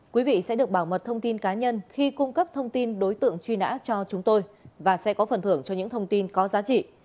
quý vị sẽ được bảo mật thông tin cá nhân khi cung cấp thông tin đối tượng truy nã cho chúng tôi và sẽ có phần thưởng cho những thông tin có giá trị